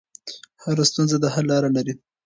هر ستونزه د حل لار لري.